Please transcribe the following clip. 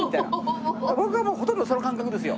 僕はほとんどその感覚ですよ。